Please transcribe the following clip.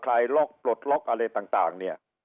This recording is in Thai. ลายล็อกปลดล็อกอะไรต่างเนี่ย